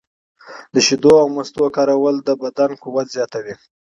د شیدو او مستو کارول د بدن قوت زیاتوي.